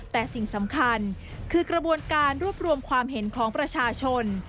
แต่สิ่งสำคัญคือกระบวนการรวบรวมความเห็นของประชาชน